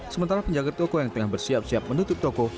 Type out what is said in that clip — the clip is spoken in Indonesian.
sementara penjaga toko yang tengah bersiap siap menutup toko